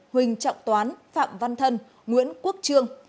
huỳnh trọng toán phạm văn thân nguyễn quốc trương